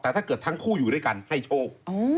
แต่ถ้าเกิดทั้งคู่อยู่ด้วยกันให้โชค